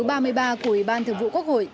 của ủy ban thường vụ quốc hội